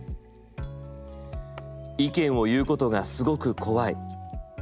意見を言うことがすごく怖い。